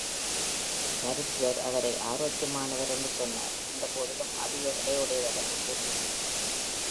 மருத்துவர் அவரை ஆரோக்கியமானவர் என்று சொன்னார், இருந்தபோதிலும் அதிக எடையுடையவர் என்று கூறுகிறார்.